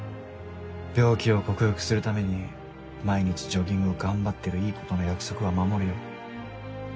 病気を克服するために毎日ジョギングを頑張ってるいい子との約束は守るよ。